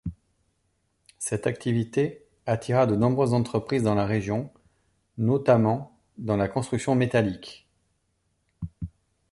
Cette activité attira de nombreuses entreprises dans la région, notamment dans la construction métallique.